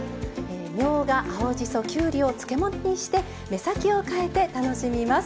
みょうが、青じそ、きゅうりを漬物にして、目先を変えて楽しみます。